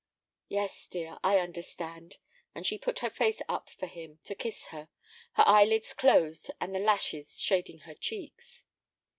"Yes, dear, I understand." And she put her face up for him to kiss her, her eyelids closed and the lashes shading her cheeks.